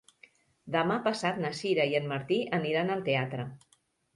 Demà passat na Sira i en Martí aniran al teatre.